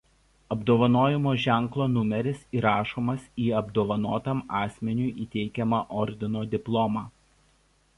Apdovanojimo ženklo numeris įrašomas į apdovanotam asmeniui įteikiamą ordino diplomą.